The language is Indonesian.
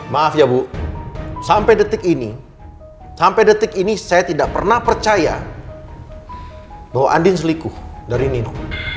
maaf ya bu sampai detik ini saya tidak pernah percaya bahwa andi selikuh dari nino